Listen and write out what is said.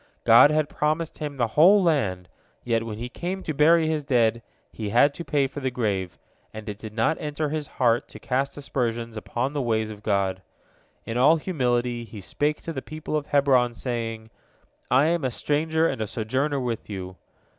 God had promised him the whole land, yet when he came to bury his dead, he had to pay for the grave, and it did not enter his heart to cast aspersions upon the ways of God. In all humility he spake to the people of Hebron, saying, "I am a stranger and a sojourner with you."